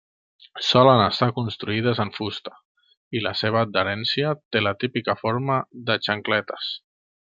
Solen estar construïdes en fusta i la seva adherència té la típica forma de xancletes.